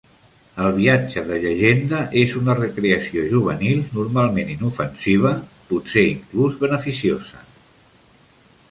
El viatge de llegenda és una recreació juvenil normalment inofensiva, potser inclús beneficiosa.